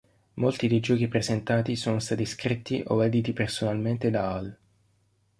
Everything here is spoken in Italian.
Molti dei giochi presentati sono stati scritti o editi personalmente da Ahl.